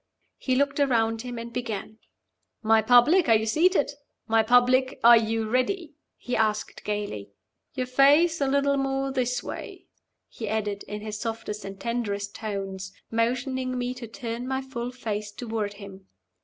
He looked around him, and began. "My public, are you seated? My public, are you ready?" he asked, gayly. "Your face a little more this way," he added, in his softest and tenderest tones, motioning to me to turn my full face toward him.